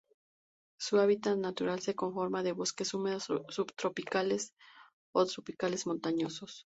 Su hábitat natural se conforma de bosques húmedos subtropicales o tropicales montañosos.